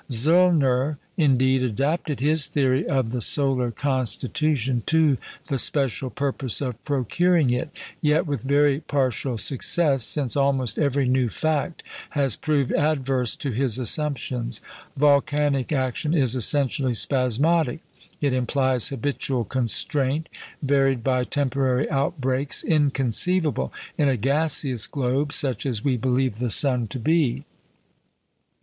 Zöllner, indeed, adapted his theory of the solar constitution to the special purpose of procuring it; yet with very partial success, since almost every new fact has proved adverse to his assumptions. Volcanic action is essentially spasmodic. It implies habitual constraint varied by temporary outbreaks, inconceivable in a gaseous globe, such as we believe the sun to be.